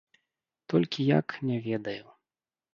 Толькі як, не ведаю.